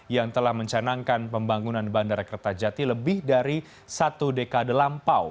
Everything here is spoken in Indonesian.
yang telah mencanangkan pembangunan bandara kertajati lebih dari satu dekade lampau